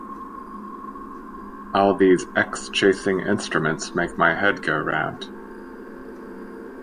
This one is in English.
All these X-chasing instruments make my head go round.